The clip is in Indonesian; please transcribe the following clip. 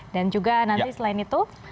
dan juga nanti selain itu